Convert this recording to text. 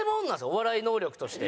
お笑い能力として。